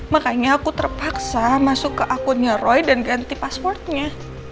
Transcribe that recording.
makanya aku terpaksa masuk ke akunnya roy dan ganti passwordnya